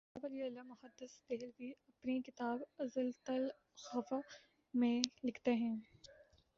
شاہ ولی اللہ محدث دہلوی اپنی کتاب ”ازالتہ الخفا ء“ میں لکھتے ہیں